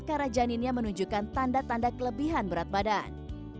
karena janinnya menunjukkan tanda tanda kelebihan berat badan